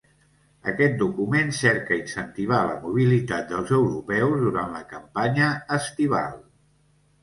Aquest document cerca incentivar la mobilitat dels europeus durant la campanya estival.